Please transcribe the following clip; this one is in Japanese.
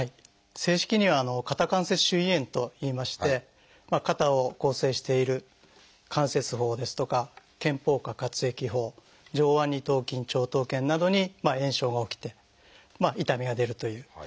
正式には「肩関節周囲炎」といいまして肩を構成している関節包ですとか肩峰下滑液包上腕二頭筋長頭腱などに炎症が起きて痛みが出るという。